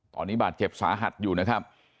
ตอนนี้บาดเจ็บสาหัสอยู่นะครับ